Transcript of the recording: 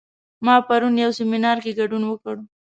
ما پرون یو سیمینار کې ګډون وکړ